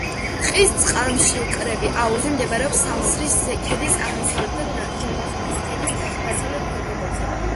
ტბის წყალშემკრები აუზი მდებარეობს სამსრის ქედის აღმოსავლეთ და ჯავახეთის ქედის დასავლეთ ფერდობებზე.